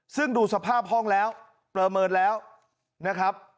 ซึ่งดูสภาพห้องแล้วประเมินแล้วนะครับ